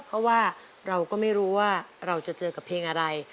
เพราะว่าเราก็ไม่รู้ว่าเราจะเจอกับเพลงอะไร